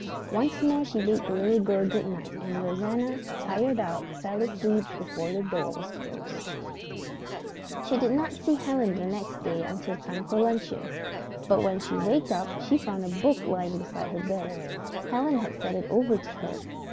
Once more she bade the little girl good night, and Rosanna, tired out, fell asleep before the door was closed. She did not see Helen the next day until time for luncheon, but when she waked up she found a book lying beside her bed. Helen had sent it over to her.